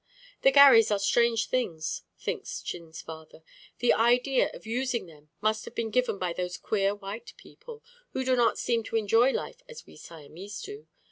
"The gharries are strange things," thinks Chin's father; "the idea of using them must have been given by those queer white people, who do not seem to enjoy life as we Siamese do.